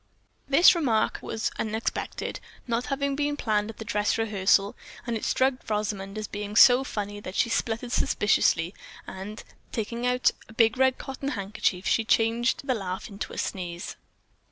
This remark was unexpected, not having been planned at the dress rehearsal, and it struck Rosamond as being so funny that she sputtered suspiciously, then taking out a big red cotton handkerchief, she changed the laugh into a sneeze.